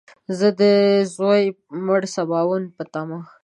زه د ځوی مړي سباوون په تمه !